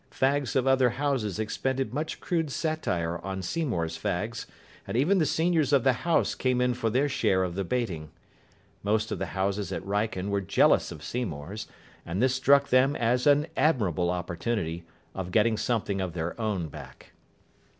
Fags of other houses expended much crude satire on Seymour's fags, and even the seniors of the house came in for their share of the baiting. Most of the houses at Wrykyn were jealous of Seymour's, and this struck them as an admirable opportunity of getting something of their own back.